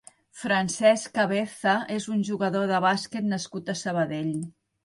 Francesc Cabeza és un jugador de bàsquet nascut a Sabadell.